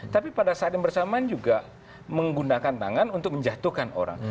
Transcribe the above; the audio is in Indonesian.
tapi pada saat yang bersamaan juga menggunakan tangan untuk menjatuhkan orang